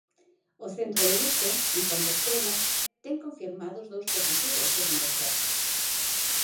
O centro de Vite, en Compostela, ten confirmados dous positivos, segundo o Sergas.